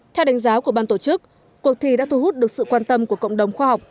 theo đánh giá của ban tổ chức cuộc thi đã thu hút được sự quan tâm của cộng đồng khoa học